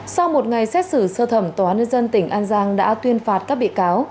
sau một ngày xét xử sơ thẩm tòa nân dân tỉnh an giang đã tuyên phạt các bị cáo